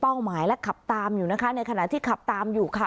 หมายและขับตามอยู่นะคะในขณะที่ขับตามอยู่ค่ะ